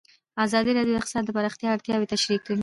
ازادي راډیو د اقتصاد د پراختیا اړتیاوې تشریح کړي.